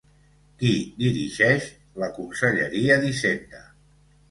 Qui dirigeix la Conselleria d'hisenda?